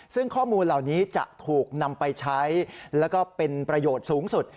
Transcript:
ซึ่งข้อมูลเหล่านี้จะถูกนำไปใช้แล้วก็เป็นประโยชน์สูงสุด